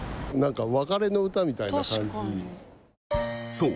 そう。